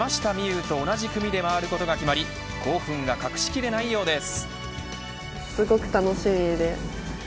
有と同じ組で回ることが決まり興奮が隠し切れないようです。